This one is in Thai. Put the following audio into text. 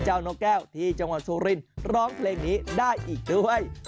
นกแก้วที่จังหวัดสุรินร้องเพลงนี้ได้อีกด้วย